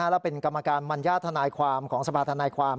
และเป็นกรรมการมัญญาติทนายความของสภาธนายความ